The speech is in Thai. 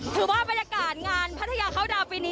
ถือว่าบรรยากาศงานพัทยาเข้าดาวปีนี้